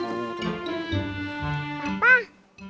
ini cantiknya jahat